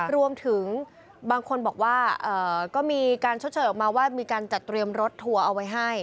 รวมถึงบางคนบอกว่าก็มีการชดเชยออกมาว่ามีการจัดเตรียมรถทัวร์เอาไว้ให้